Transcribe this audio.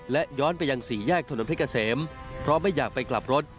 และย้อนไปยังสี่แยกถนนเพชรเกษมเพราะไม่อยากไปกลับรถ